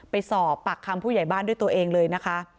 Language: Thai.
ไปสอบปากคำผู้ใหญ่บ้านด้วยตัวเองเลยนะคะ